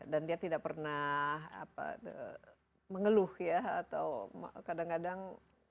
dan dia tidak pernah mengeluh ya atau kadang kadang